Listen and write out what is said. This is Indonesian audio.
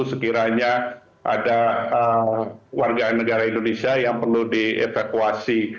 sekiranya ada warga negara indonesia yang perlu dievakuasi